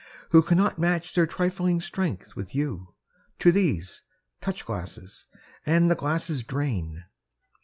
Who cannot match their trifling strength with you; To these, touch glasses — ^and the glasses drain